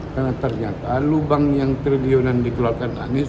karena ternyata lubang yang tergionan dikeluarkan anies